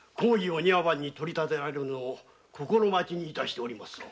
お庭番に取りたてられるのを心待ちにいたしておりますぞ。